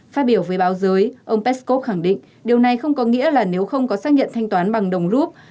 phát biểu với báo giới ông peskov khẳng định điều này không có nghĩa là nếu không có xác nhận thanh toán bằng đồng rút